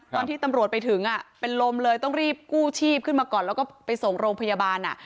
ตอนที่ตำรวจไปถึงเป็นลมเลยต้องรีบกู้ชีพขึ้นมาก่อนแล้วก็ไปส่งโรงพยาบาล